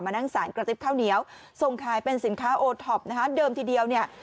นั่งสารกระติบข้าวเหนียวส่งขายเป็นสินค้าโอท็อปนะคะเดิมทีเดียวเนี่ย